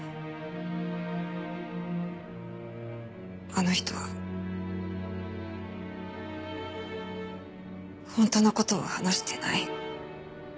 あの人は本当の事を話してない。